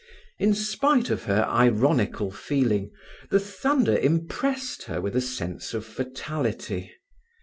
In spite of her ironical feeling, the thunder impressed her with a sense of fatality.